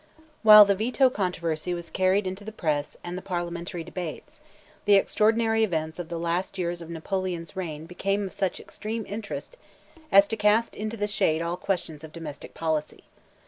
While the Veto controversy was carried into the press and the Parliamentary debates, the extraordinary events of the last years of Napoleon's reign became of such extreme interest as to cast into the shade all questions of domestic policy.